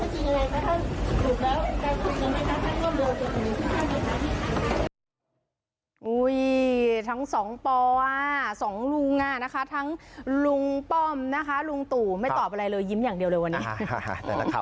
ชื่อชั้นเป็นนายกรัฐมนตรีถ้าถูกแล้วจะถูกยังไงคะ